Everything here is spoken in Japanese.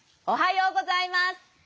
おはようございます！